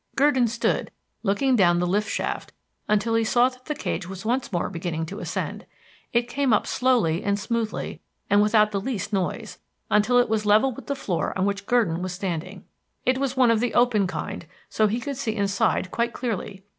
Gurdon stood, looking down the lift shaft, until he saw that the cage was once more beginning to ascend. It came up slowly and smoothly and without the least noise, until it was level with the floor on which Gurdon was standing. It was one of the open kind, so he could see inside quite clearly.